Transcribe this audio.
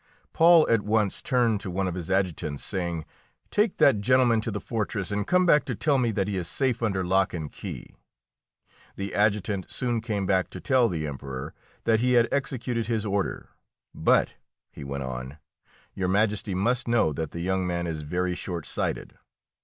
Paul at once turned to one of his adjutants, saying, "Take that gentleman to the fortress, and come back to tell me that he is safe under lock and key." The adjutant soon came back to tell the Emperor that he had executed his order; "but," he went on, "Your Majesty must know that the young man is very short sighted.